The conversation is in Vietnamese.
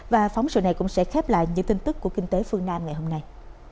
và phóng sự này cũng sẽ khép lại những tin tức của kinh tế phương nam ngày hôm nay